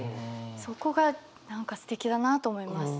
そこが何かすてきだなと思います。